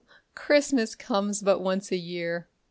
O, CHRISTMAS comes but once a year!